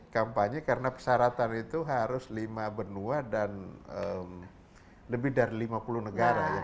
kampanye karena persyaratan itu harus lima benua dan lebih dari lima puluh negara ya